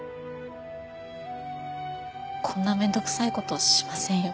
こんな面倒くさい事しませんよ。